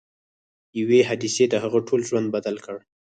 یوې حادثې د هغه ټول ژوند بدل کړ